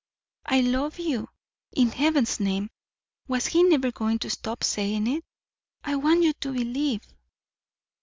"I love you." In heaven's name, was he never going to stop saying it? "I want you to believe."